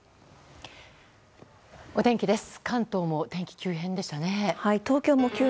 お天気です。